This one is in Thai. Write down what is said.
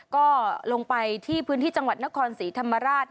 ก็ลงไปที่พื้นที่จังหวัดนครศรีธรรมราช